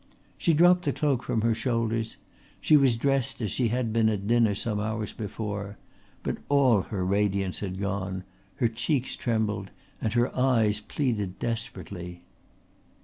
She dropped the cloak from her shoulders; she was dressed as she had been at the dinner some hours before, but all her radiance had gone, her cheeks trembled, her eyes pleaded desperately.